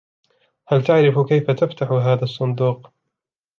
هل تعرف كيف تفتح هذا الصندوق ؟